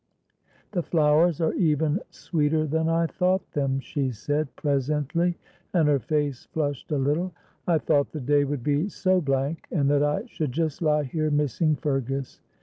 "The flowers are even sweeter than I thought them," she said, presently, and her face flushed a little. "I thought the day would be so blank, and that I should just lie here missing Fergus.